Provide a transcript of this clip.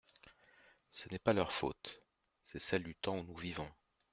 Ce n’est pas leur faute : c’est celle du temps où nous vivons.